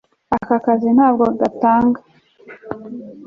aka kazi ntabwo gatanga